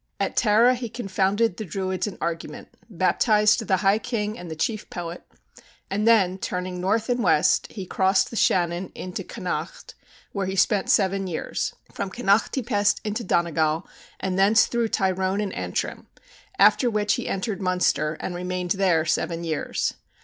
At Tara he confounded the Druids in argument, baptized the high king and the chief poet; and then, turning north and west, he crossed the Shannon into Connacht, where he spent seven years. From Connacht he passed into Donegal, and thence through Tyrone and Antrim, after which he entered Munster, and remained there seven years.